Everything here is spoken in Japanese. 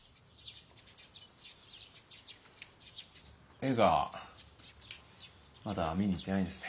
映画まだ見に行ってないんですね。